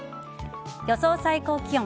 予想最高気温。